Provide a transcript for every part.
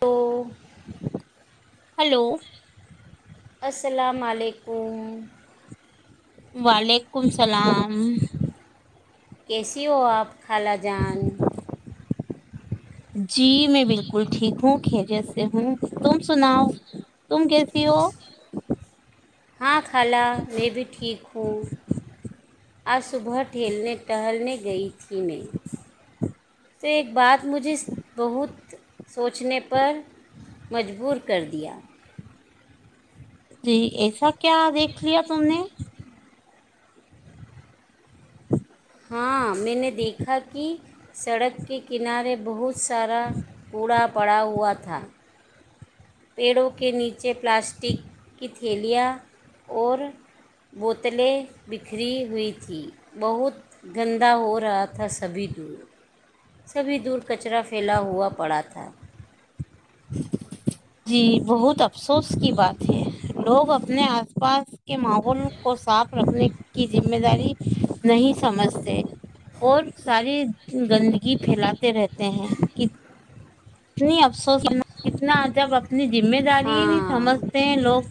تو ہلو السلام علیکم وعلیکم اللام کیسی ہو آپ خالاجان جی میں بالکل ٹھیک ہوں خیریت سے ہوں تم سناؤ تم کیسی ہو ہاں خال میں بھی ٹھیک ہوں آج صبح ٹھیلنے ٹہلنے گئی تھی میں تو ایک بات مجھے بہت سوچنے پر مجبور کر دیا جی ایسب کیا دیکھ لیا تم نے ہاں میں نے دیکھا کہ سڑک کے کنارے بہت سارا کوڑا پڑا ہوا تھا پیڑوں کے نیچے پلاسٹک کی تھیلیاں اور بوتلیں بکھری ہوئی تھی بہت گندا ہو رہا تھا سبھی دور سبھی دور کچرا پھیلا ہوا پڑا تھا جی بہت افسوس کی بات ہے لوگ اپنے آس پاس کے ماحول کو ساتھ رکھنے کی ذمہ داری نہیں سمجھتے اور ساریے گندگی پھیلاتے رہتے ہیں اتنی افسوس اتنا ع جب جمہ داری نہیں ہاں سمجھتے ہیں لوگ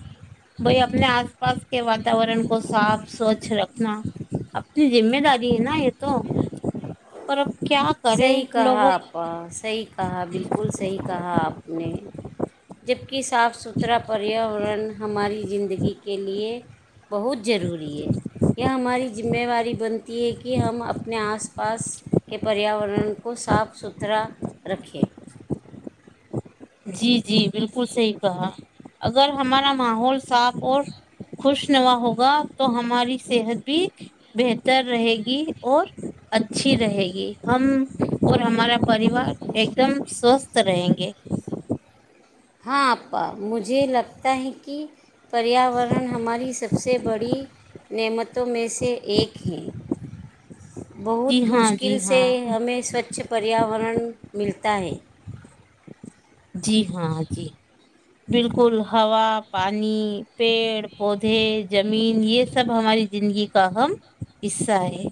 بھائی اپنے آس پاس کے واتاورن کو صاف سوچھ رکھنا اپنی ذمہ داری ہے نا یہ تو پر کیا کرے صحیح کہا لوگوں آپا صحیح کہا بالکل بالکل صحیح کہا آپ نے ج [unintelligible] کہ صاف ستھرا پریاورن ہماری زندگی کے لیے بہت ضروری ہے یہ ہماری ذمہواری بنتی ہے کہ ہم اپنے آس پاس کے پریاورن ان ان کو صاف ستھرا رکھے جی جی بالکل صحیح کہا اگر ہمارا ماحول صاف اور خوشنوا ہوگا تو ہماری صحت بھی بہتر رہے گی اور اچھی رہے گی ہم اور ہمارا پریوار ایک دم سوستھ رہیں گے ہاں اپا مجھے لگتا ہے کہ پریاورن ہماری سب سے بڑی نعمتوں میں سے ایک ہے جی بہت ہاں جی مشکل سے ہاں ہمیں سوچھ پریاورن ملتا تاائیں [unintelligible] جی ہاں جی ہاں بالکل ہوا پانی پیڑ پودے زمین یہ سب ہماری زندگی کا اہم حصہ ہے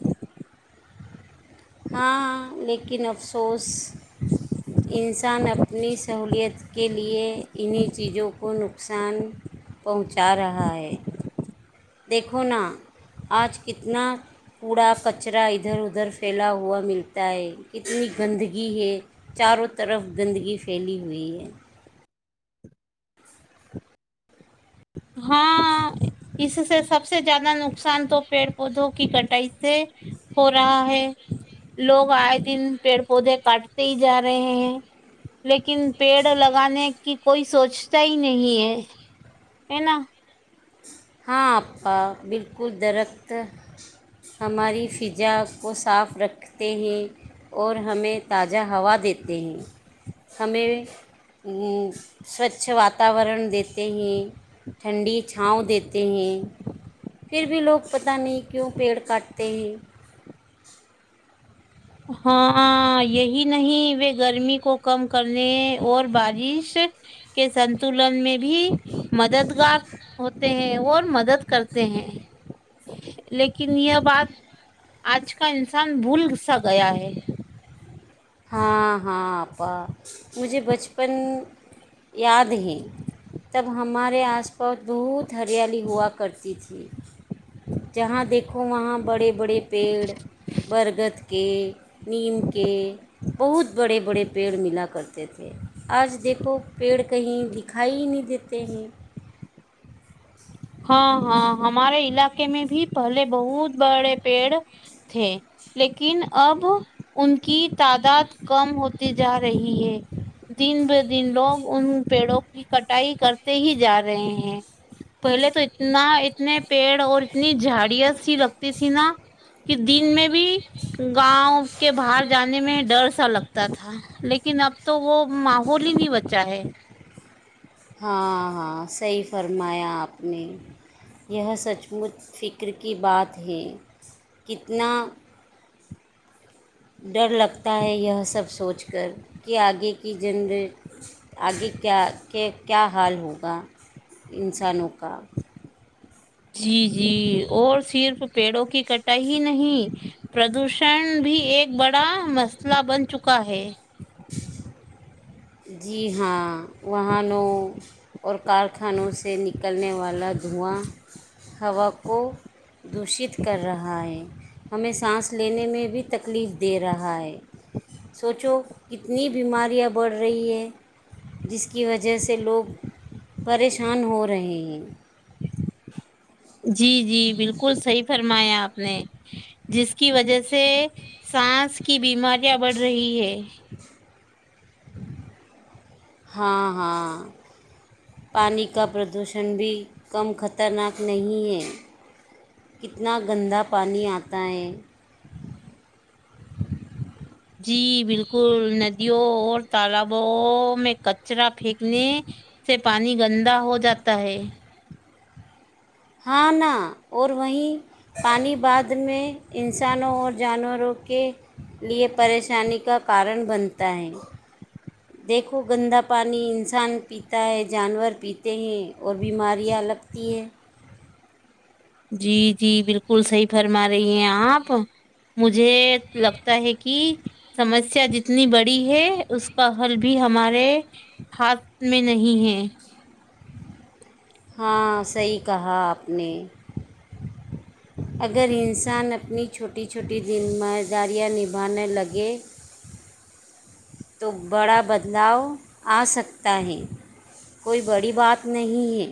ہاں لیکن افسوس انسان اپنی سہولیت کے لیے انہیں چیزوں کو نقصان پہنچا رہا ہے دیکھو نا آج کتنا کوڑا کچرا ادھر ادھر پھیلا ہوا ملتا ہے اتنی گندگی ہے چاروں طرف گندگی پھیلی ہوئی ہے ہاں اس سے سب سے زیادہ نقصان تو پیڑ پودوں کی کٹائی سے ہو رہا ہے لوگ آئے دن پیڑ پودے کاٹتے ہی جا رہے ہیں لیکن پیڑ لگانے کی کوئی سوچتا ہی نہیں ہے ہےنا ہاں آپا بالکل درخت ہماری فضا کو صاف رکھتے ہیں اور ہمیں تازہ ہوا دیتے ہیں ہمیں سوچھ واتاورن دیتے ہیں ٹھنڈی چھاؤں دی ت ہیں پھر بھی لوگ پتاہ نہیں کیوں پیڑ کاٹتے ہیں ہاں یہی نہیں گرمی کو کم کرنے اور بارش کے سنتلن میں بھی مددگار ہوتے ہیں اور مدد کرتے ہیں لیکن یہ بات آج کا انسان بھول سا گیا ہے ہاں ہاں اپا مجھے بچپن یاد ہے تب ہمارے آس پاس بہت ہریالی ہوا کرتی تھی جہاں دیکھ دیکھو وہاں بڑے بڑے پیڑ برگد کے نیم کے بہت بڑے بڑے پیڑ ملا کرتے تھے آج دیکھ کو پیڑ کہیں دکھائی ہی نہیں دیتا تین ہاں ہاں ہمارے علاقے میں بھی پہلے بہت بڑے پیڑ تھے لیکن اب ان کی تعداد کم ہوتی جا رہی رہی ہے دن دن لوگ ان پیڑوں کی کٹائی کرتے ہی جا رہے ہیں پہلے تو اتنا اتنے پیڑ اور اتنی جھاڑیت سی لگتی تھی نا کہ دن میں بھی گاؤں کے باہر جانے میں ڈر سا لگتا تھا لیکن اب تو وہ ماحول ہی نہیں بچا ہے ہاں ہاں صحیح فرمایا آپ نے یہ سچ مچ فکر کی بات ہے کتنا ڈر لگتا ہے یہ سب سوچ کر کہ آگے کی جنری آگے کیا کے کیا حال ہوگا انسانوں کا جی جی اور صرف پیڑوں کی کٹائی ہی نہیں پردوشن بھی ایک بڑا مسئلہ بن چکا ہے جی ہاں وہنوں اور کارخانوں سے نکلنے والا وہاں ہووا کو دوشت کر رہا ہے ہمیں سانس لینے میں بھی تکلیف دے رہا ہے سوچو کتنی بیماریاں بڑھ رہی ہے جس کی وجہ سے لوگ پریشان ہو رہے ہیں جی جی بالکل صحیح فرمایا آپ نے جس کی وجہ سے سانس کی بیماریاں بڑھ رہی ہے ہاں ہاں پانی کا پردوشن بھی کم خطرناک نہیں ہے کتنا گندا پانی آتا ہے جی بالکل ندیوں اور تالابوں میں کچرا پھینکنے سے پانی گندا ہو جاتا ہے ہاں نہ اور وہیں پانی بعد میں انسانوں اور جانوروں کے لیے پریشانی کا کارن بنتا ہے دیکھو گندا پانی انسان پیتا ہے جانور پیتے ہیں اور بیماریاں لگتی ہیں جی جی بالکل صحیح فرما رہی ہیں آپ مجھے لگتا ہے کہ سمسیا جتنی بڑی ہے اس کا حل بھی ہمارے ہاتھ میں نہیں ہے ہاں صحیح کہا آپ نے اگر انسان اپنی چھوٹی چھوٹی دمداریاں نبھانے لگے تو بڑا بدلاؤ آ سکتا ہے کوئی بڑی بات نہیں ہے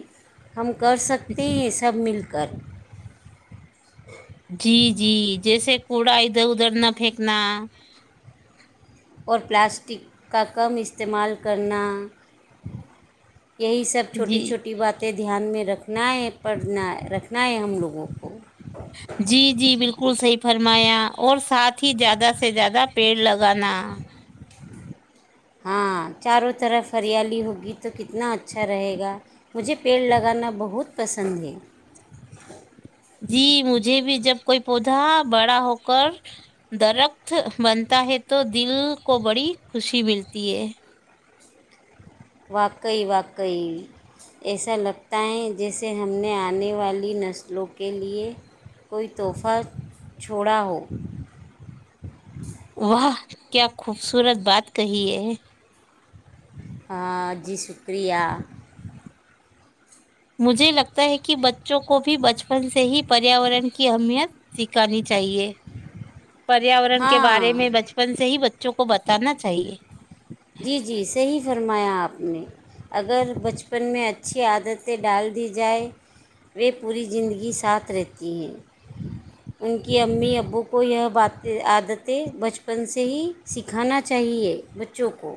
ہم کر سکتے ہیں سب مل کر جی جی جیسے کوڑا ادھر ادھر نہ پھینکنا اور پلاسٹک کا کم استعمال کرنا یہی سب چھوٹی جی چھوٹی بات ا دھیان میں رکھ لوگوں کو جی جی بالکل صحیح فرمایا اور ساتھ ہی زیادہ سے زیادہ پیڑ لگانا ہاں چاروں طرف ہریالی ہوگی تو کتنا اچھا رہے گا مجھے پیڑ لگانا بہت پسند ہے جی مجھے بھی جب کوئی پودا بڑا ہوک درخت بنتا ہے تو دل کو بڑی خوشی ملتی ہے واقعی واقعی ایسا لگتا ہے جیسے ہم نے آنے والی نسلوں کے لیے کوئی تحفہ چھوڑا ہو وہاہ کیا خوبصورت بات کہی ہے ہ جی شکریہ مجھے لگتا ہے کہ ب بوں کو بھی بچپن سے ہی پریاورن کی اہمیت سکھانی چاہیے پریاورن کے بارے ہاں میں بچپن سے ہی بچوں کو بتانا چاہیے جی جی صحیح فرمایا آپ نے اگر بچپن میں اچھی عادتیں ڈال دی جائے وہ پوری زندگی ساتھ رہتی ہیں ان کی امی ابو کو یہ ب عادتیں بچپن سے ہی سکھانا چاہیے چوکو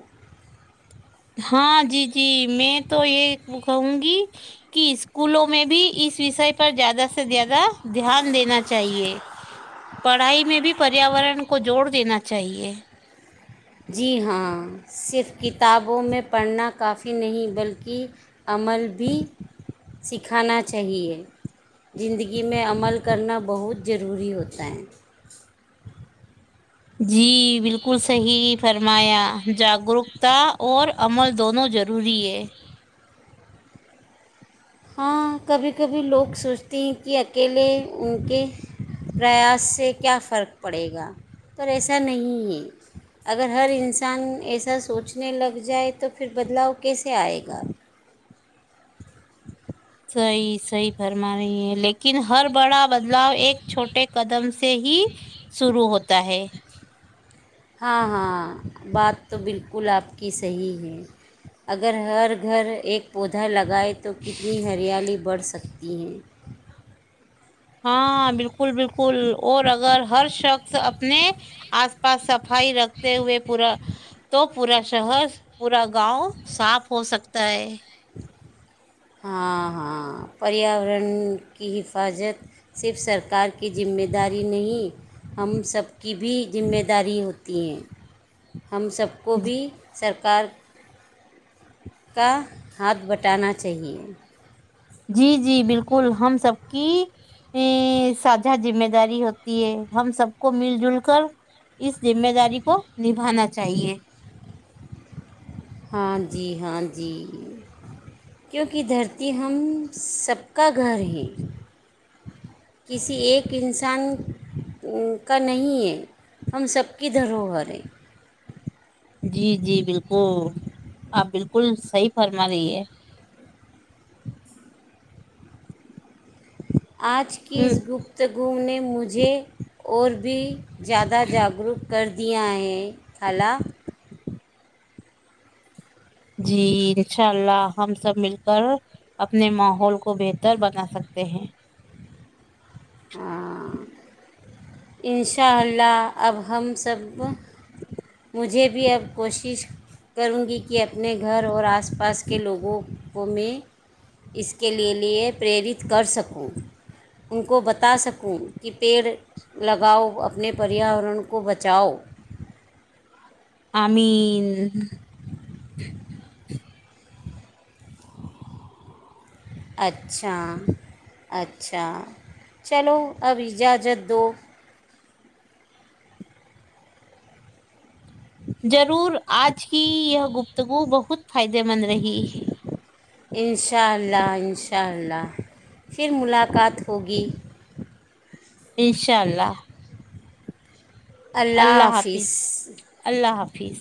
ہاں جی جی جی میں تو یہ بکھؤوں گی کہ اسکولوں میں بھی اس وشے پر زیادہ سے زیادہ دھیان دینا چاہیے پڑھائی میں بھی پریاورن کو جوڑ دینا چاہیے جی ہاں صرف کتابوں میں پڑھنا کافی نہیں بلکہ عمل بھی سکھانا چاہیے زندگی میں عمل کرنا بہت ضروری ہوتا ہے جی بالکل صحیح فرمایا جاگروک تا اور عمل دونوں ضروری ہے ہاں کبھی کبھی لوگ سوچتے ہیں کہ اکیلے ان کے پریاس سے کیا فرق پڑے گا پر ایسا نہیں ہے اگر ہر انسان ایسا سوچنے لگ جائے تو پھر بدلاؤ کیسے آئے گا صحی صحیح فرما رہی ہے لیکن ہر بڑا بدلاؤ ایک چھوٹے قدم سے ہی شروع ہوتا ہے ہاں ہاں بات تو بالکل آپ کی صحیح ہے اگر ہر گھر ایک پودا لگائے تو کتنی ہریالی بڑھ سکتی ہے ہاں بالکل اور اگر ہر شخص اپنے آس پاس صفائی رکھتے ہوئے پورا تو پورا شہر پورا گاؤں صاف ہو سکتا ہے ہاں ہاں پریاورن کی حفاظت صرف سرکار کی ذمہ داری نہیں ہم سب کی بھی ذمہ داری ہوتی تین ہم سب کو بھی سر کار کا ہاتھ بٹانا چاہیے جی جی بالکل ہم سب کی ا ساھا ذمہ داری ہوتی ہے ہم سب کو مل جل کر اس ذمے داری کو نبھانا چاہیے ہاں جی ہاں جی کیونکہ دھرتی ہم سب کا گھر ہے کسی ایک ایک انسان کا نہیں ہے ہم سب کی دھروہر ہے جی جی بالکل آپ بالکل صحیح فرما رہی ہے آج کی اس ام، گپتگو نے مجھے اور بھی زیادہ جاگروک کر دی ہے کلا جی انشاء اللہ ہم سب مل کر اپنے ماحول کو بہتر بنا سکتے ہیں انشاءاللہ اب ہم [inaudible] مجھے بھی اب کوشش کروں گی کہ اپنے گھر اور آس پا آس پاس کے لوگوں میں اس کے لیے لیے پرییرت کر سکوں ان کو بتا سکوں کہ پیڑ لگاؤ اپنے پریاورن کو بچاؤ یں ہاں ہاں اچھا اچھا اچھا چلو اب اجازت دو ضرور آج کی یہ گفتگو بہت فائدے مند رہی ہے انشاء اللہ ان شاء اللہ پھر ملاقات ہوگی انشاء اللہ اللہ حافظ فیس